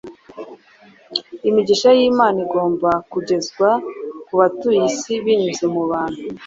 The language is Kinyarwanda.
Imigisha y’Imana igomba kugezwa ku batuye isi binyuze mu bantu.